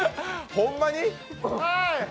ほんまに？